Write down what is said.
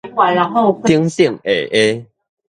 頂頂下下